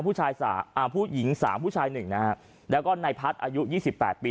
ผู้ชายสามอ่าผู้หญิงสามผู้ชายหนึ่งนะฮะแล้วก็นายพัฒน์อายุยี่สิบแปดปี